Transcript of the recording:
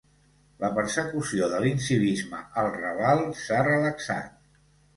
La persecució de l'incivisme al Raval s'ha relaxat.